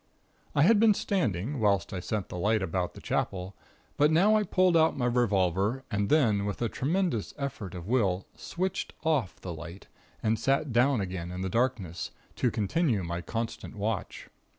"I had been standing, whilst I sent the light about the Chapel, but now I pulled out my revolver, and then, with a tremendous effort of will, switched off the light, and sat down again in the darkness, to continue my constant watch.